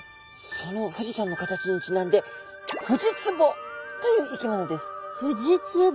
その富士山の形にちなんでフジツボという生き物です。